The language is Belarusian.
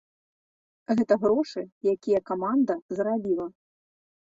Гэта грошы, якія каманда зарабіла.